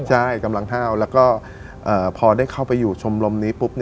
ใช่กำลังห้าวแล้วก็พอได้เข้าไปอยู่ชมรมนี้ปุ๊บ